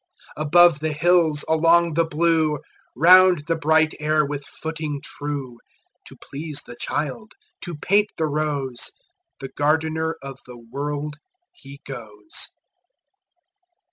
Above the hills, along the blue, Round the bright air with footing true, To please the child, to paint the rose, The gardener of the World, he goes.